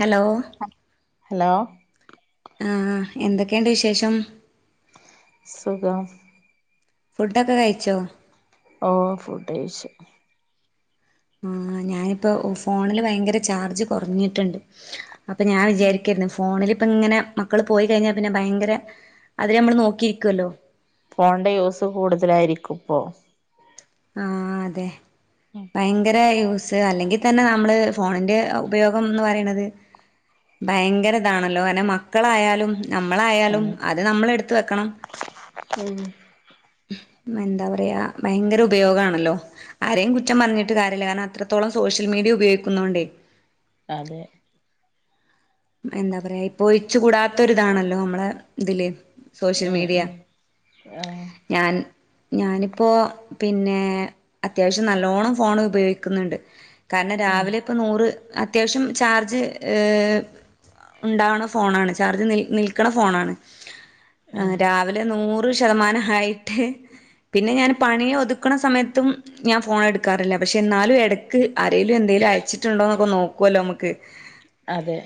Hello hello. ആഹ് ആഹ് എന്തോക്കെണ്ട് വിശേഷം. സുഖം. ഫുഡൊക്കെ കയിച്ചോ ഓ ഫുഡ് കഴിച്ച്. ആഹ് ഞാനിപ്പോ ഫോണില് ഭയങ്കര ചാർജ് കുറഞ്ഞിട്ടുണ്ട്. അപ്പൊ ഞാൻ വിചാരിക്കായിരുന്നു ഫോണില്. ഇപ്പ ഇങ്ങനെ മക്കള് പോയി കഴിഞ്ഞാൽ പിന്നെ ഭയങ്കര അവരെ നമ്മള് നോക്കി ഇരിക്കുവല്ലോ. ഫോണിന്റെ യൂസ് കൂടുതലായിരിക്കും ഇപ്പോ. ആഹ് അതെ ഭയങ്കര യൂസ് ഉണ്ട് അല്ലെങ്കിൽ തന്നെ നമ്മള് ഫോണിന്റെ ഉപയോഗം എന്ന് പറയണത് ഭയങ്കര ഇതാണല്ലോ അങ്ങനെ മക്കളായാലും. നമ്മളായാലും ഉം അത് നമ്മൾ എടുത്ത് വെക്കണം. എന്താ പറയാ ഭയങ്കര ഉപ ഉപയോഗം ആണല്ലോ ആരെയും കുറ്റം പറഞ്ഞിട്ട് കാര്യയില്ല, കാരണം അത്രത്തോളം സോഷ്യൽ മീഡിയ ഉപയോഗിക്കുന്ന കൊണ്ടേ. അതെ എന്താ പറയാ ഇപ്പോ ഒയിച്ചു കൂടത്തൊരു ഇതാണല്ലോ നമ്മടെ ഇതില്. സോഷ്യൽ ഉം മീഡിയ ഉം ആഹ് ഞാൻ. ഞാനിപ്പൊ പിന്നെ അത്യാവശ്യം നല്ലോണ്ണം ഫോൺ ഉപയോഗിക്കുന്നുണ്ട്. കാരണം ഉം രാവിലെ ഇപ്പോ നൂറ്. അത്യാവശ്യം ചാർജ് ഏഹ്. ഉണ്ടാവുന്ന ഫോണാണ് ചാർജ് നിൽ നിൽക്കണ ഫോണാണ്. ഉം ആഹ് രാവിലെ നൂറ്. നൂറ് ശതമാനം ആയിട്ട് പിന്നെ ഞാൻ പണി ഒതുക്കണ സമയത്തും ഞാൻ ഫോൺ എടുക്കാറില്ല, പക്ഷേ എന്നാലും ഇടക്ക്. അരേലും എന്തേലും അയച്ചട്ടുണ്ടോനൊക്കെ നോ ക്വലോ നമക്ക് അതെ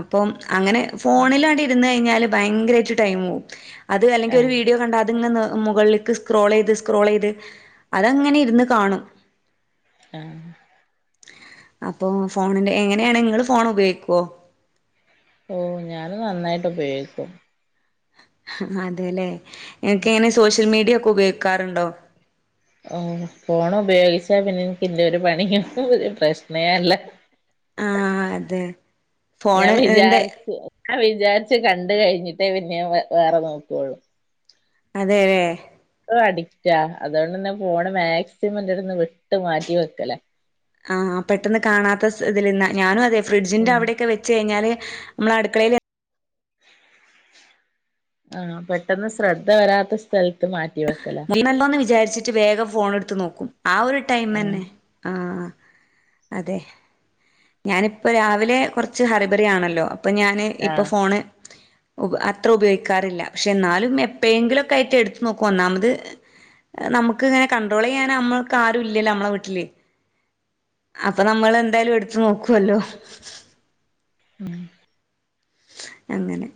അപ്പം അങ്ങനെ ഫോണിലാണ്ട് ഇരുന്നു കയിഞ്ഞാല് ഭയങ്കരായിട്ട് ടൈം പോവും. അത് അല്ലെങ്കി ഒരു ആഹ് വീഡിയോ കണ്ടാ അതിങ്ങനെ നീ മുകളിലേക്ക് സ്ക്രോൾ ചെയ്ത് സ്ക്രോൾ ചെയ്ത് അതങ്ങനെ ഇരുന്ന് കാണും. ആഹ്. അപ്പോ ഫോണിന്റെ എങ്ങനെയാണ് ഇങ്ങള് ഫോൺ ഉപയോഗിക്കോ? ഓ ഞാന് നന്നായിട്ട് ഉപയോഗിക്കും. അതെല്ലേ എനിക്ക് അങ്ങനെ സോഷ്യൽ മീഡിയ ഉപയോഗിക്കാറുണ്ടോ? ഓ ഫോൺ ഉപയോഗിച്ചാ പിന്നെ എനിക്ക്ന്റെ ഒരു പണിയും പ്രശ്നെ അല്ല. ആ അതെ ഞാൻ ഫോണ് എന്റെ വിചാരിച്ച് ഞാൻ വിചാരിച്ച് കണ്ട കഴിഞ്ഞിട്ടേ പിന്നെ ഞ വേറെ നോക്കുള്ളൂ അതെ [unintelligible] അഡിക്റ്റ അതുകൊണ്ട്ന്നെ ഫോണ് മാക്സിമം എന്റെ അടുതന്ന് വിട്ട് മാറ്റി വെക്കല ആഹ് പെട്ടെന്ന് കാണാത്ത ഇതിൽന്നാ ഞാനും അതെ ഫ്രിഡ്ജിൻന്റെ ഉം അവിടെയൊക്കെ വെച്ച് കഴിഞ്ഞാല് മ്മള അടുക്കളയില് ആഹ് പെട്ടെന്ന് ശ്രദ്ധ വരാത്ത സ്ഥല മാറ്റി വെക്കലാ ച്ചിട്ട് വേഗം ഫോൺ എടുത്ത് നോക്കും ആ ഒരു ടൈം ആഹ് തന്നെ ആഹ് അതെ ഞാനിപ്പ രാവിലെ കുറച്ച് ഹറിബറി ആണല്ലോ അപ്പോൾ ഞാൻ ഇപ്പോ ആഹ് ഫോണ് അത്ര ഉപയോഗിക്കാറില്ല പക്ഷെ ന്നാലും എപ്പോഴെങ്കിലും ഒക്കെ ആയിട്ട് എടുത്ത് നോക്കും ഒന്നാമത് നമുക്ക് ഇങ്ങനെ കണ്ട്രോൾ ചെയ്യാൻ നമ്മൾക്ക് ആരു ഇല്ലല്ലോ നമ്മളെ വീട്ടില് അപ്പൊ നമ്മൾ എന്തായാലും എടു നോക്കൂ അല്ലോ ഉം അങ്ങനെ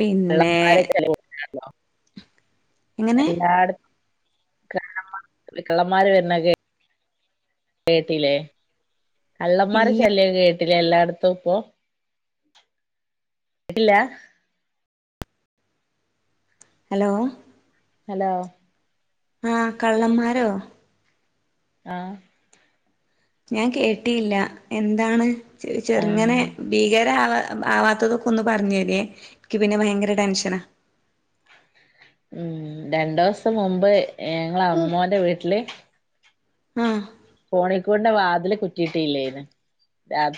പിന്നെ [unintelligible] [unintelligible] എങ്ങനെ എല്ലാട് ക [inaudible] കള്ളമാര് വരണകേ കേട്ടീലെ കള്ളമ്മാരെ ഇല്ല ശല്യ കേ ട്ടില്ല എല്ലാടത്തും ഇപ്പോ [unintelligible] ഹലോ ഹലോ ആഹ് കള്ളമ്മാരോ ആഹ് ഞാൻ കേട്ടിയില്ല എന്താണ് ചെറ്ങ്ങനെ ആഹ് ഭീകരാവാ ബ് ആവാത്തതൊക്കെ ഒന്ന് പറഞ്ഞെര്യേ ൻക്ക് പിന്നെ ഭയങ്കര ടെൻഷനാ ഉം രണ്ടോസം മുമ്പ് എങ്ങള് അമ്മോന്റെ വീട്ടില് ആ കോണിക്കൂട്ന്റെ വാതില് കുറ്റിയിട്ടീല്ലെന്ന്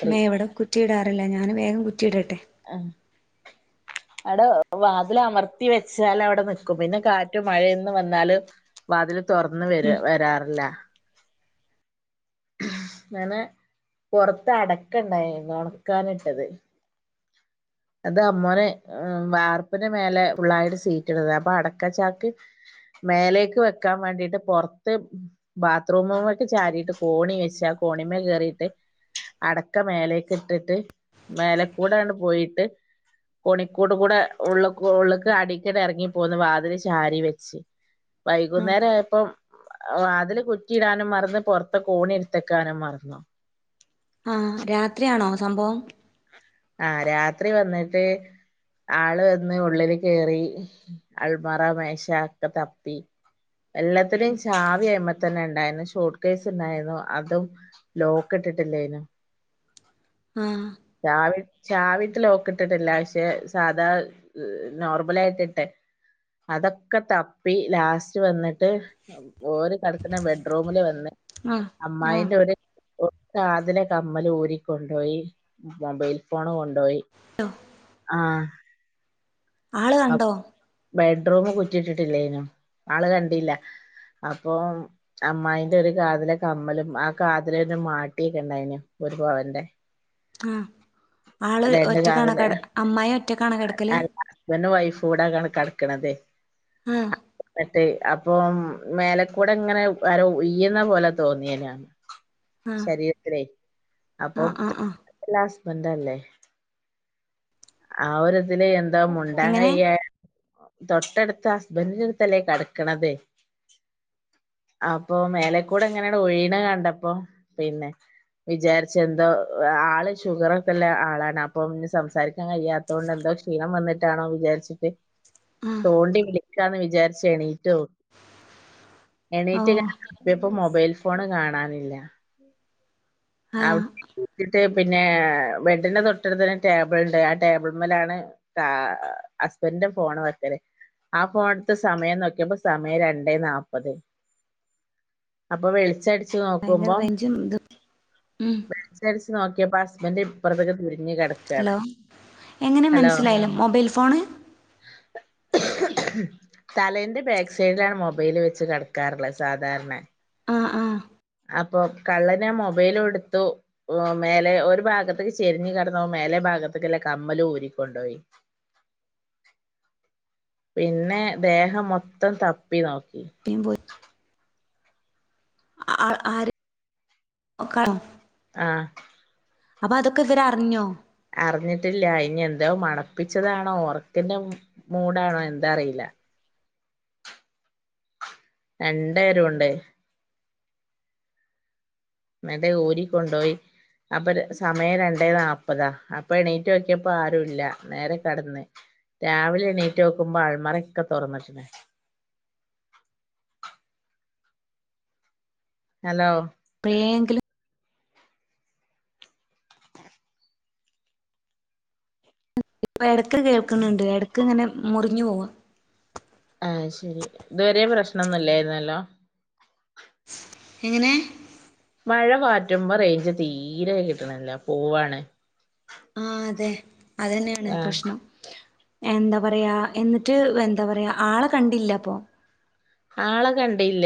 മ്മേ വെടെ കു കുറ്റിടാറില്ല ഞാനും വേഗം കുറ്റിഇടട്ടെ എടോ വാതിൽ അമർത്തി വെച്ചാല് അവ്ടെ നിക്കും പിന്നെ കാറ്റും മഴയൊന്നു വന്നാല് വാതില് തുറന്ന് വര ഉം വരാറില്ല അങ്ങനെ പൊറത്ത് അടക്കണ്ടായിനു ഒണക്കാനിട്ടത് അത് അമ്മോന് വാർപ്പിന്റെ മേലെ ഫുള്ളായിട്ട് സീറ്റിടല അപ്പ അടക്ക ചാക്ക് മേലേക്ക് വെക്കാൻ വേണ്ടിട്ട് പൊറ്ത്ത് ബാത്റൂമ്മക്ക് ചാരീട്ട് കോണി വെച്ച് ആ കോണിമ്മേ കേറീട്ട് അടക്ക മേലേക്ക്ട്ട്ട്ട് മേലെക്കൂടാണ്ട് പോയി ത് കോണിക്കൂട് കൂടെ ഉള്ളുക്ക് ഉള്ള്ക്ക് അടീക്ക്ണ്ടെറങ്ങി പോന്ന് വാതില് ചാരി വെച്ച് ആഹ് വൈകുന്നേര ആയപ്പം വാതില് കുറ്റി ഇടാനും മറന്ന് പൊറത്ത് കോണി ട്ത്തെക്കാനും മറന്നു ആ രാത്രിയാണോ സംഭവം ആ രാത്രി വന്നിട്ട് ആള് വന്ന് ഉള്ളില് കേറി അൾമറ മേശ ഒക്കെ തപ്പി എല്ലാത്തിനും ചാവി അയ്മേ തന്നെ ഇണ്ടായിരുന്നു ഷോർട്ട് കേസ് ഉണ്ടായിരുന്നു അതും ലോക്ക് ഇട്ടിട്ടില്ലേനി ആ ചാവിട്ട് ലോക്ക്‌ ഇട്ട്ട്ട്ല്ല പക്ഷെ സാധാ നോർമലായിട്ടിട്ടെ അതൊക്കെ തപ്പി ലാസ്റ്റ് വന്നിട്ട് ഓര് കടക്കണ ബെഡ്റൂമ് ല് വന്ന് ആഹ് ആഹ് അമ്മായിന്റെ ഒര് ഒ കാതിലെ കമ്മല് ഊരീ കൊണ്ടോയി മൊബൈൽ ഫോണ് കൊണ്ടോയി ട്ടോ ആ ആള് കണ്ടോ ബെഡ്റൂം കുറ്റി ഇട്ടിട്ടില്ലായിനു ആള് കണ്ടില്ല അപ്പൊ അമ്മായിന്റെ ഒരു കാതിലെ കമ്മലും ആ കാതില ഒര് മാട്ടിക്കണ്ടായിനു ഒരു പവന്റെ ആ ആള് രണ്ട് ഒറ്റക്കാണോ കാതില് കട അമ്മായി ഒറ്റക്കാണോ കെടക്കല് കെടക്ക്‌ണതെ ആ അപ്പം മേലക്കൂടെ ഇങ്ങനെ ആരോ ഉയ്യുന്ന പോലെ തോന്നിയനാണ് ആഹ് ശരീരത്തിലേ അപ്പം ആഹ് ആഹ് ആഹ് ല ന്തല്ലേ ആവൊരതില് എ ന്താ മുണ്ടാ എങ്ങനെ കയ്യ തൊട്ടടുത്ത് ഹസ്ബൻ്റിന്റെ അടുത്തല്ലേ കടക്കണതേ അപ്പൊ മേലെക്കൂടെ ങ്ങനണ്ട് ഒഴീണ കണ്ടപ്പോ പിന്നെ വിചാരിച്ച എന്തോ ആള് ഷുഗറൊക്കെല്ല ആളാണ് അപ്പൊ ഇഞ്ഞ് സംസാരിക്ക കയ്യാത്തോണ്ട് എന്തോ ക്ഷീണം വന്ന ട്ടാണോ വിചാരിച്ചിട്ടെ ആഹ് തോണ്ടില്ല ക്കാന്ന് വിചാർചേണി ലോ ഓഹ് എണീറ്റ്പ്പോ [unintelligible] മൊബൈൽ ഫോണ് കാണാനില്ല ആഹ് [unintelligible] പിന്നെ ബെഡിൻ്റെ തൊട്ടടുത്തിന് ടേബിൾ ഉണ്ട് ആ ടേബിൾ മേലാണ് കാ ഹസ്ബൻഡും ഫോൺ വെക്കല് ആ ഫോൺത്തെ സമയം നോക്കിയപ്പോ സമയം രണ്ടെ നാല്പ്പത് അപ്പൊ വളിച്ച ഭയങ്കര നോക്കുമ്പം റേഞ്ചും ഇതും ഉം നോക്കിയപ്പം ഹസ്ബെന്റ് ഇപ്പർതത്ത് ക്ക് ഹലോ എങ്ങനെ ഹലോ മനസ്സിലായില്ല മൊബൈൽ ഫോണ് തലേന്റെ ബാക്ക് സൈഡിലാണ് മൊബൈല് വെച്ച് കിടക്കാറുള്ളത് സാധാരെണ ആഹ് ആഹ് അപ്പൊ കള്ളനെ മൊബൈല് ഒടുത്തു മേലെ ഒരു ഭാഗത്തേക്ക് ചെരിഞ്ഞഞ് കടന്ന പോ മേലെ ഭാഗത്തക്കല്ലാം കമ്മലും ഊരിക്കൊണ്ടുപോയി പിന്നെ ദേഹം മൊത്തം തപ്പി നോക്കി [unintelligible] അഹആര് [unintelligible] ആഹ് അപ്പൊ അതൊക്കെ ഇവര അറിഞ്ഞോ അറിഞ്ഞിട്ടില്ല ഇനി എന്തോ മണപ്പിച്ചതാണോ ഓർക്ക്ൻ്റെ മൂടാണോ എന്താ അറിയില്ല രണ്ട രു ണ്ടെ എന്നിട്ട് ഊരി കൊണ്ടോയി അപ്പൊ സമയം രണ്ടേ നാല്പ്പതാ അപ്പൊ എണീറ്റ് വോക്കിയപ്പോ ആരുല്ല നേരെ കട്ന്ന് രാവിലെ എണീറ്റ് വോക്കുമ്പോ അൾമറൊക്കെ തുറന്നിട്ടുക്ണെ ഹലോ പ്പേങ്കിലും [unintelligible] ഇപ്പൊ എടക്ക് കേൾക്കുന്നുണ്ട് എടക്ക് ഇങ്ങനെ മുറിഞ്ഞു പോവാ ആഹ് ശെരി ഇതുവരെ പ്രശ്നൊന്നുംല്ലായിരുന്നല്ലോ എങ്ങനെ മഴ പാറ്റുമ്പോ റേഞ്ച് തീരെ വെർ [unintelligible] ക്ണ് ല്ലപോവാണ് ആഹ് അതെ അതന്നേണ് പ്രശ്നം എന്താ പറയാ എന്നിട്ട് എന്താ പറയാ ആളെ കണ്ടില്ല അപ്പൊ ആളെ കണ്ടില്ല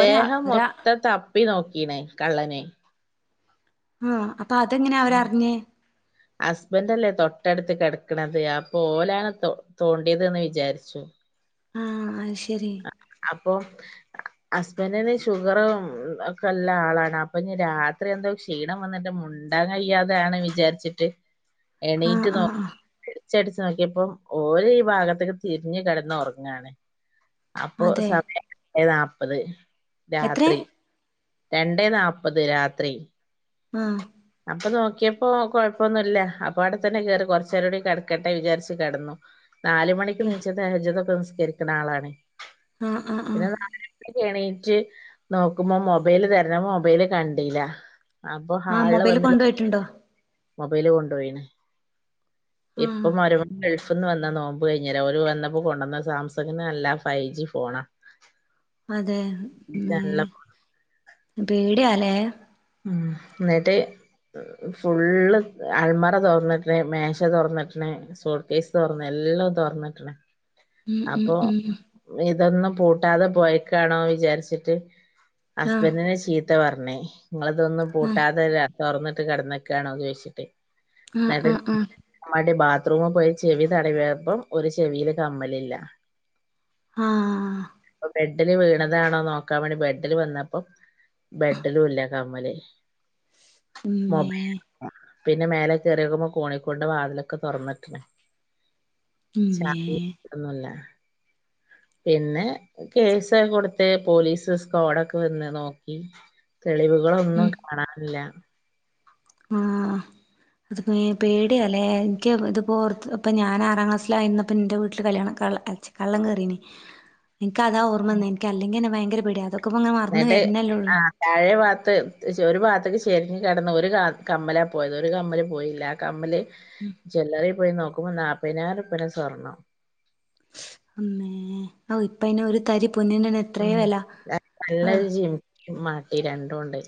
ഒരാ ഒരാ മൊത്തം ത പ്പി നോക്കീണ് കള്ളനെ ആഹ് അതെങ്ങനെ ആ അവരറിഞ്ഞേ ഹസ്ബൻറ് അല്ലേ തൊട്ടടുത്ത് കെട ക്കണത് അപ്പൊ ഓലാണ് തോ തോണ്ടിയതന് വിചാരിച്ചു ആ അഹ് ശരി അപ്പൊ ഹസ്ബന്റിന്ഷുഗർ [unintelligible] ഒക്കെ ഉള്ള ആളാണ് അപ്പൊ രാത്രി എന്തോ ക്ഷീണം വന്നിട്ട് മുണ്ടാൻ കഴിയാതെയാണ് വിചാരിച്ചിട്ട് ആഹ് എണീറ്റ് ആഹ് നോക്ക് ആഹ് ചെട്ച്ചു നോക്കിയപ്പം ഓലീ ഭാഗത്തിക്ക് തിരിഞ്ഞ് കെടന്ന ഉറങ്ങാണ് അപ്പൊ അതെ സമയം എട്ടേ [unintelligible] നാപ്പ പലെ എത്രേ രാത്രി രണ്ടേ നാപത് രാത്രി ആഹ് അപ്പൊ നോ ക്ക്യപ്പോ കൊഴപ്പൊന്നുല്ല അപ്പൊ അടെത്തന്നെ കെറി കൊറച്ചേരോടി കെടക്കട്ടെ വിചാരിച്ച് കെടന്നു നാല് മണിക്ക്നിച്ച്തജുത്ക്കെ നിസ് സ്കരിക്ക്ണ ആളാണെ ആ ആ ആ എണീറ്റ് നോക്കുമ്പോ മൊബൈല് തെരഞ്ഞ മൊബൈല് കണ്ടീല്ല ആ മൊബൈല് കൊണ്ടു പോയിട്ടുണ്ടോ മൊബൈല് കൊണ്ടുപോയിണ് ഇപ്പൊ ആഹ് മരുമകൾ നെയ്സ് ഫ്ന്ന് വന്നാ നോമ്പ് കഴിഞ്ഞോരാ ഓര് വന്നപ്പോ കൊണ്ടന്ന സാംസങ്ങിന് നല്ല ഫൈ ജി ഫോണാ അതെ മേ നല്ല ഫോണാ. പേടി ആല്ലേ ന്നിട്ട് ഫുള്ള് അൾമറ തൊർന്നിട്ട്ണ് മേശ തൊറന്നട്ട്ണ് സ്യൂട്ട് കേസ് തൊറന്ന് എല്ലാം തൊറന്നിട്ട്ണ് ഉം ഉം അപ്പൊ ഉം ഇതൊന്നും പൂട്ടാതെ പോയ്ക്കാണോ വിചാരിച്ചിട്ട് ആഹ് ഹാസ്ബൻ്റിനെ ചീത്ത പറഞ്ഞ് ണ്ണി ങ്ങള് ഇതൊന്നും ആഹ് പൂട്ടാതെരാ തൊറന്ന്ട്ട് കെടന്ന്ക്കാണോ ചോദിച്ചിട്ടേ ആഹ് ന്ന്ട്ട് ആഹ് ആഹ് മടി ബാത്ത് ബാത്റൂമി പോയി ചെവി തടവിയപ്പം ഒരു ചെവില് കമ്മലില്ല. ആആഹ് ബെഡിൽ വീണതാണോ നോക്കാൻ വേണ്ടി ബെഡിൽ വന്നപ്പോ ബെഡിലും ഇല്ല. നമ്മലേ ഇമ്മേ മൊബേൽ പിന്നെ മേലെ കേറി നോക്കുമ്പോ കോണിക്കൂടിൻ്റെ വാതിലൊക്കെ തുറന്നിട്ടണെ ശാ ഇമ്മേ ഒന്നുംല്ല പിന്നെ കേസ് കൊടുത്ത് പോലീസ് സ്കോഡൊക്കെ വന്ന് നോക്കി. തെളിവ് ഇവിടൊന്നും ഉം കാണാനില്ല. ആഹ്. അത് പെ പേടിയ ല്ലെ എനിക്ക് ഇത്പ്പോത്ത് ഇപ്പ ഞാൻ ആറാം ക്ലാസ്സിലായിന്നപ്പ എന്റെ വീട്ടില് കല്യാണക കള്ളൻ കെറീനേ എനിക്ക് അതാഓർമ്മന്ന എനികല്ലെങ്കി ഭയങ്കര പേടിയാ അതോ എന്നിട്ട് ആ താഴെ ഭാത്ത് ഒരു ഭാത്തെക്ക്‌ ചെരിഞ്ഞ് കെടന്ന് ഒരു കമ്മലാ പോയത് ഒരു കമ്മല് പോയില്ല ആ കമ്മല് ചല്ലറെ പോയി നോ ക്കുമ്പോ നാപ്പയിനായിരംറുപ്യിടെ സ്വർണം ഉമ്മേ ആ ഇപ്പ അനെ ഒരു തരി പൊന്നിനെന്നെ എത്രേ ഉം വെല ഞ്ഞ അഹ് നല്ലൊരു ജിമിക്കി മാട്ടി ര ട്ടോണ്ടെ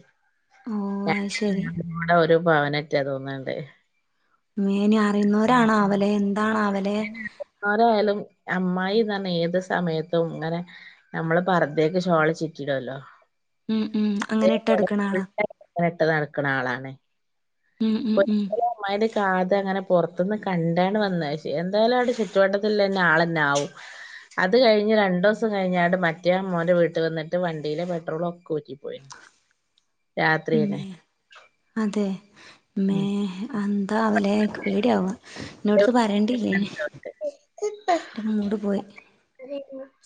ഓഹ് അയ്ശരി [unintelligible] ഒരു പ അവനറ്റാ തോന്നണ്ടേ [unintelligible] അറിയുന്നവരാണ അവലെ എന്താണ് അവലെ അമ്മായീന്ന് പറഞ്ഞ ഏത് സമയത്തും ഇങ്ങനെ നമ്മള് പർദ്ദേക്ക് ശ്വാള് ചുറ്റിടല്ലോ ഉം ഉം അങ്ങനെ ഇട്ട് എടുക്കണ ആളാ ടൈം ഇട്ട് നടക്കണ ആളാണ് ഉം ഉം ഉം താഴത്തെ അങ്ങനെ പൊറത്തുന്ന് കണ്ടാണ് വന്നേ പക്ഷെ എന്തായാലും അവിടെ ചുറ്റുവട്ടത്ത് ഉള്ളെന്ന ആൾ തന്നെ ആവും അത് കഴിഞ്ഞ് രണ്ടു ദിവസം കഴിഞ്ഞു ആയൊണ്ട് മറ്റേ ആ മോന്റെ വീട്ടി വന്നിട്ട് വണ്ടീല പെട്രോള് ഒക്കെ ഉ [unintelligible] രാത്രിയന്നേ ഉമ്മേ അത് എന്താ [unintelligible] പേടി ആവുക ന്നോട് മൂട് പോയി [unintelligible]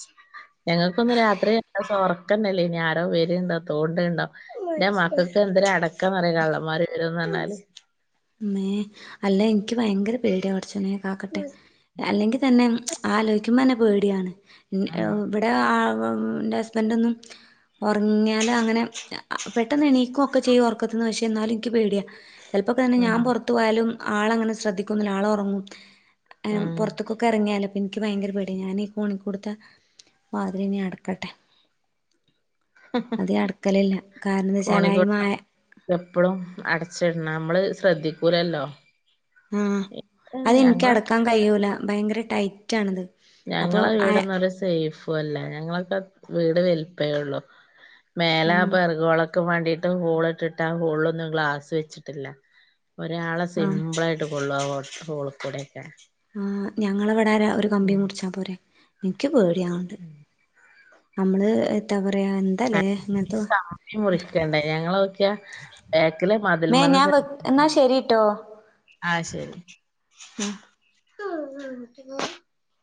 ഞങ്ങൾക്കൊന്ന് രാത്രി രണ്ട് [unintelligible] [unintelligible] ഇനി ആരോ വരുണ്ടോ തോണ്ടണ്ടോ എന്റെ മക്കക്ക് എന്തര് അടക്കാന്നറിയോ കള്ളന്മാര് വരുവെന്ന് പറഞ്ഞാല് ഉമ്മേ അല്ല എനിക്ക് ഭയങ്കര പേടിയവ പടച്ചോനേ കാക്കട്ടെ അല്ലെങ്കിൽ തന്നെ ആലോചിക്കുമ്പോ തന്നെ പേടിയാണ് മ് ഏ ഇവിടെ ആ [unintelligible] ഇന്റെ ഹസ്ബന്റൊന്നും ഒറങ്ങിയാല് അങ്ങനെ ഏ ആ പെട്ടെന്ന് എണീക്കൊകെ ചെയ്യും ഉറക്കത്ത്ന്ന് പക്ഷേ എന്നാലും ഇനിക്ക് പേടിയാ ഇതൊക്കന്നെ ഞാൻ ഉം പൊറത്ത് പോയാലും ആളങ്ങനെ ശ്രദ്ധിക്കൊന്നുല്ല ആള് ഒറങ്ങും ഏ മ് ഉം പൊറത്ത്ക്കൊക്കെ എറങ്ങിയാലും എനിക്ക് ഭയങ്കര പേടി ഞാനീ കോണിക്കൊടുത്ത വാതിലിനി അടക്കട്ടെ അത് അടക്കലില്ല കാരണം എന്ത വച്ചാലായി കോണിക്കൂടെ മായ എപ്പളും അടച്ചിടണം നമ്മള് ശ്രദ്ധിക്കൂലല്ലോ ആ ഞങ്ങള് അതെനിക്ക് അടക്കാൻ കഴിയൂല ഭയങ്കര ടൈറ്റാണിത് ഞങ്ങളെ ഇവിടെന്നും ഒരു സേഫും അല്ല ഞങ്ങളൊക്കെ വീട് വലുപ്പേ ഉള്ളൂ മേലാ ഉം പറുകോളക്ക പോവാൻ വേണ്ടിട്ട് ഹോൾ ഇട്ടിട്ട് ആ ഹോളിലൊന്നും ഗ്ലാസ് വെച്ചിട്ടില്ല ഒരാളെ ആഹ് സിമ്പിളായിട്ട് കൊള്ളവൊ പുറത്ത് ഹോൾക്കൂടേ എക്കെ ആ ഞങ്ങള നേരാ ഒരു കമ്പി മുറിച്ചാ പോരെ എനിക്ക് പേ യാണ്ട് നമ്മള് എ മുറിക്കണ്ടേ ഞങ്ങൾ നോക്കിയ ബാക്കിലെ മേ ഞാൻ മതിൽമേന്ന് വെ എന്നാ ശരിട്ടോ ആ ശരി [inaudible]